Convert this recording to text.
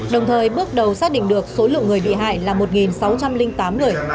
đồng thời bước đầu xác định được số lượng người bị hại là một sáu trăm linh tám người